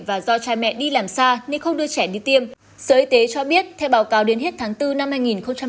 và do cha mẹ đi làm xa nên không đưa trẻ đi tiêm sở y tế cho biết theo báo cáo đến hết tháng bốn năm hai nghìn hai mươi